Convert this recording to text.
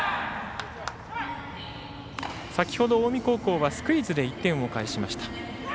先ほど近江高校はスクイズで１点を返しました。